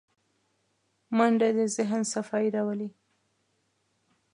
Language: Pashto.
منډه د ذهن صفايي راولي